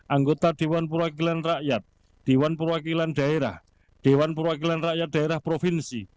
anggota dewan perwakilan rakyat dewan perwakilan daerah dewan perwakilan rakyat daerah provinsi